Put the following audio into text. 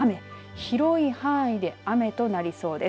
広い範囲で雨となりそうです。